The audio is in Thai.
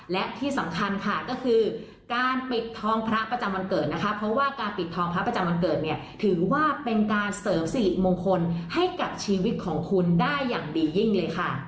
และที่สำคัญค่ะก็คือการปิดทองพระประจำวันเกิดนะคะเพราะว่าการปิดทองพระประจำวันเกิดเนี่ยถือว่าเป็นการเสริมสิริมงคลให้กับชีวิตของคุณได้อย่างดียิ่งเลยค่ะ